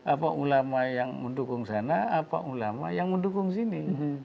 apa ulama yang mendukung sana apa ulama yang mendukung sini